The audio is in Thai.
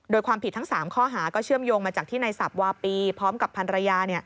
โดยความผิดทั้ง๓ข้อหาก็เชื่อมโยงมาจากที่ในสับวาปีพร้อมกับพันรยา